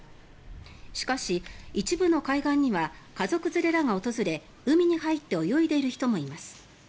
しかし、一部の海岸には家族連れらが訪れ海に入って泳いでいる人もいます。